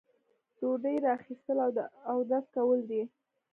ډوډۍ را اخیستل او اودس کول دي.